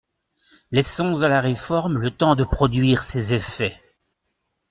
Laissons à la réforme le temps de produire ses effets.